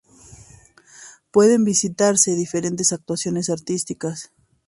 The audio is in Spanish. Pueden visitarse diferentes actuaciones artísticas.